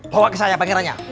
bawa ke saya pangerannya